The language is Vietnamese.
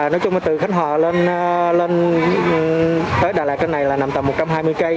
nói chung là từ khánh hòa lên đà lạt trên này là nằm tầm một trăm hai mươi cây